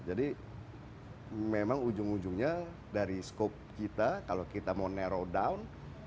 jadi memang ujung ujungnya dari scope kita kalau kita mau narrow down